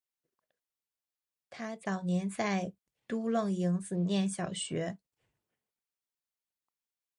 他早年在都楞营子念小学。